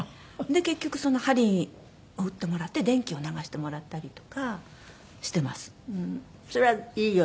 結局その鍼を打ってもらって電気を流してもらったりとかしてます。